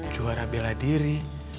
juara bela diri